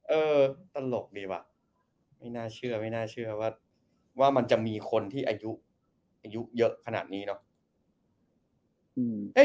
เออตลกดีว่ะไม่น่าเชื่อไม่น่าเชื่อว่ามันจะมีคนที่อายุเยอะขนาดนี้หรอก